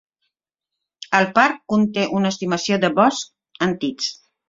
El parc conté una estimació de boscs antics.